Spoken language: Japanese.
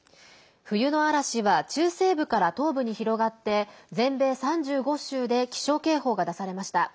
冬の嵐は中西部から東部に広がって全米３５州で気象警報が出されました。